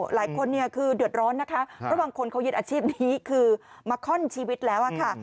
หลายคนคือเดือดร้อนระหว่างคนเขายึดอาชีพนี้คือมาคร่อนชีวิตแล้ว